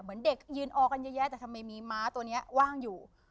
เหมือนเด็กยืนออกันเยอะแยะแต่ทำไมมีม้าตัวนี้ว่างอยู่